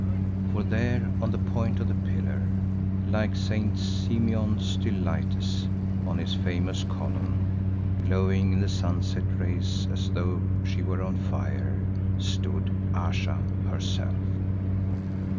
For there on the point of the pillar, like St. Simeon Stylites on his famous column, glowing in the sunset rays as though she were on fire, stood Ayesha herself!